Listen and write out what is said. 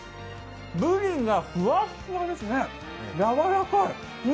ブリがふわふわですね、やわらかい。